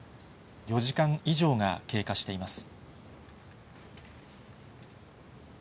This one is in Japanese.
４時間以上が経過しています。